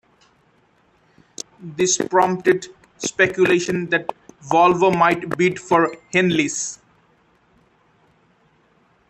This prompted speculation that Volvo might bid for Henlys.